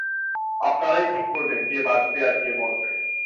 আপনারাই ঠিক করবেন, কে বাঁচবে আর কে মরবে।